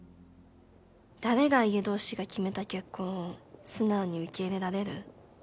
誰が家同士が決めた結婚を素直に受け入れられる？